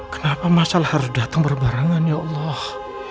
kenapa masalah harus datang berbarengan ya allah